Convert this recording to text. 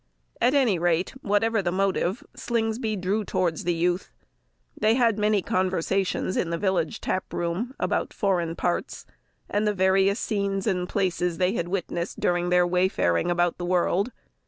At any rate, whatever the motive, Slingsby drew towards the youth. They had many conversations in the village tap room about foreign parts, and the various scenes and places they had witnessed during their wayfaring about the world.